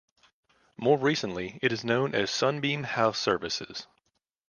More recently it is known as Sunbeam House Services.